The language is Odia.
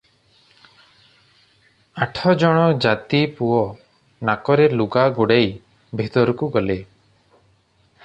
ଆଠ ଜଣ ଜାତିପୁଅ ନାକରେ ଲୁଗା ଗୁଡାଇ ଭିତରକୁ ଗଲେ ।